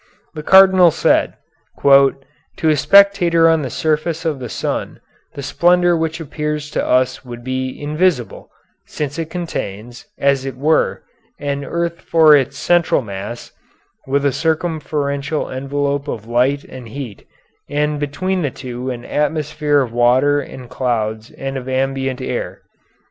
The Cardinal said: "To a spectator on the surface of the sun the splendor which appears to us would be invisible, since it contains, as it were, an earth for its central mass, with a circumferential envelope of light and heat, and between the two an atmosphere of water and clouds and of ambient air."